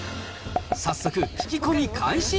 早速、聞き込み開始。